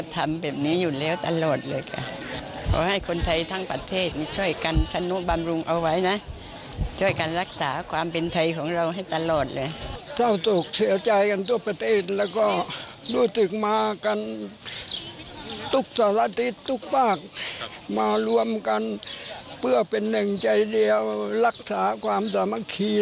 ทำการเพื่อเป็นหนึ่งใจเดียวรักษาความสามัคคี